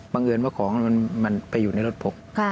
เอิญว่าของมันไปอยู่ในรถพก